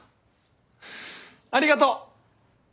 ありがとう！